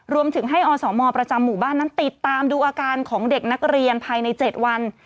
รวมถึงให้อสมประจำหมู่บ้านนั้นติดตามดูอาการของเด็กนักเรียนภายใน๗วัน